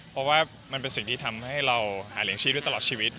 เพราะว่ามันเป็นสิ่งที่ทำให้เราหาเลี้ยงชีพได้ตลอดชีวิต